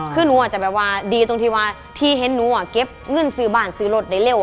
คือนืออาจจะแบบว่าดีธรรมษาว่าถ้ายังเก็บเงื่อนซื้อบ้านซื้อรถได้เร็ว